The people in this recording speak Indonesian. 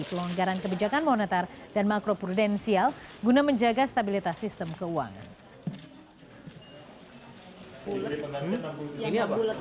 pelonggaran kebijakan moneter dan makro prudensial guna menjaga stabilitas sistem keuangan